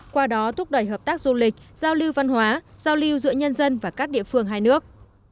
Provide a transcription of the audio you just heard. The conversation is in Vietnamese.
qua đó thúc đẩy hợp tác du lịch giao lưu văn hóa giao lưu giữa nhân dân và các địa phương hai nước